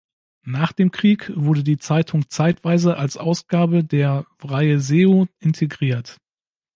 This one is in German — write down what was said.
Nach dem Krieg wurde die Zeitung zeitweise als Ausgabe der "Vrije Zeeuw" integriert.